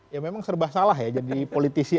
ya memang serba salah ya jadi politisi